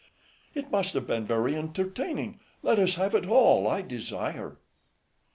FRIEND. It must have been very entertaining; let us have it all, I desire. MENIPPUS.